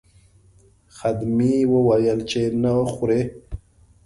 خدمې وویل چې نه خورئ.